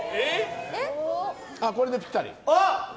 これでぴったり。